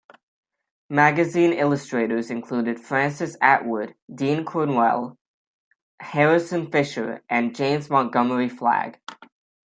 Magazine illustrators included Francis Attwood, Dean Cornwell, Harrison Fisher, and James Montgomery Flagg.